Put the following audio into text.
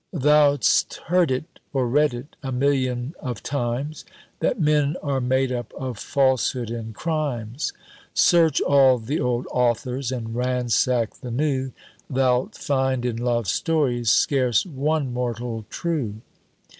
_ "'Thou'st heard it, or read it, a million of times, That men are made up of falsehood and crimes; Search all the old authors, and ransack the new, Thou'lt find in love stories, scarce one mortal true.